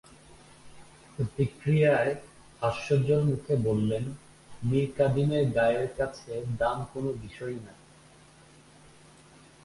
প্রতিক্রিয়ায় হাস্যোজ্জ্বল মুখে বললেন, মীরকাদিমের গাইয়ের কাছে দাম কোনো বিষয়ই না।